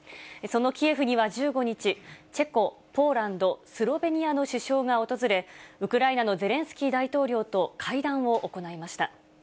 そのキエフには１５日、チェコ、ポーランド、スロベニアの首相が訪れ、ウクライナのゼレンスキー大統領と会談を行いました。